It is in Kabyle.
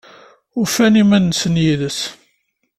Ufan iman-nsen yid-s?